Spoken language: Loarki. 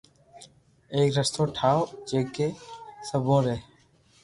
ايڪ رستو ٺاو جڪي سبو ري